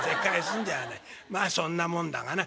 まあそんなもんだがな。